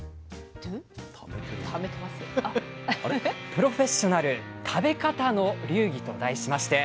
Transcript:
「プロフェッショナル食べ方の流儀」と題しまして。